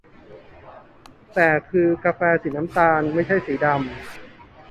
แต่คือกาแฟสีน้ำตาล ไม่ใช่สีดำ